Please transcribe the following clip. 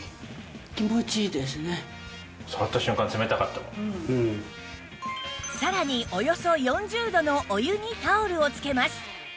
そこでさらにおよそ４０度のお湯にタオルをつけます